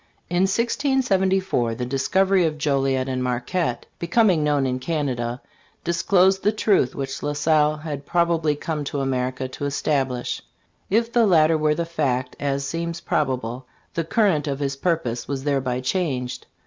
LA SALLE'S EARLIER WORK. 23 In 1674, the discovery of Joliet and Marquette becoming known in Cana da, disclosed the truth which La Salle had probably come to America to es tablish. If the latter were the fact, as seems probable, the current of his purpose was thereby changed.